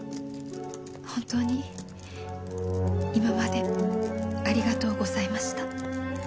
本当に今までありがとうございました」